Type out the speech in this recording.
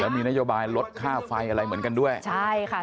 มีนโยบายลดค่าไฟอะไรเหมือนกันด้วยใช่ค่ะ